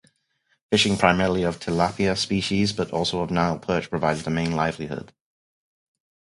Fishing-primarily of tilapia species but also of Nile perch-provides the main livelihood.